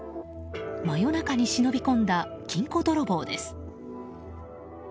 真夜中に忍び込んだ金庫泥棒です。